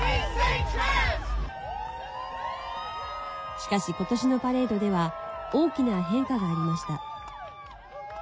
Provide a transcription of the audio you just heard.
しかし、今年のパレードでは大きな変化がありました。